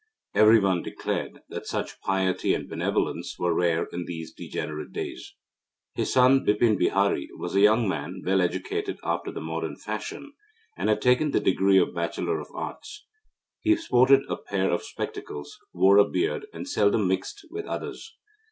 Every one declared that such piety and benevolence were rare in these degenerate days. His son, Bipin Bihari, was a young man well educated after the modern fashion, and had taken the degree of Bachelor of Arts. He sported a pair of spectacles, wore a beard, and seldom mixed with others.